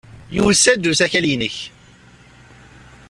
Yusa-d usakal-nnek.